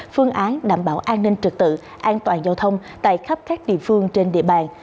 phương án đảm bảo an ninh trực tự an toàn giao thông tại khắp các địa phương trên địa bàn